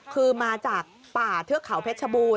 คือมาจากป่าเทือกเขาเพชรชบูรณ